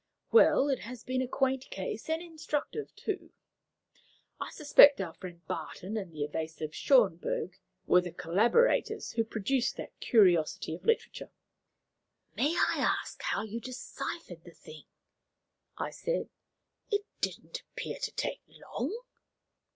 Well, it has been a quaint case, and instructive, too. I suspect our friend Barton and the evasive Schönberg were the collaborators who produced that curiosity of literature." "May I ask how you deciphered the thing?" I said. "It didn't appear to take long."